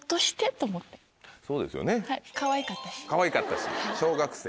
かわいかったし小学生。